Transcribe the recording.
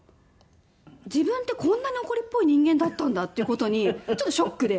自分ってこんなに怒りっぽい人間だったんだっていう事にちょっとショックで。